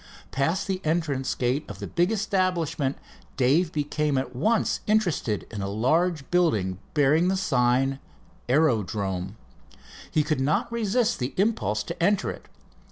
Past the entrance gates of the big establishment, Dave became at once interested in a large building bearing the sign "Aerodrome." He could not resist the impulse to enter it.